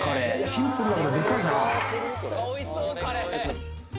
シンプルだけどデカいな。